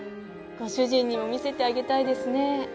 ご主人にも見せてあげたいですね。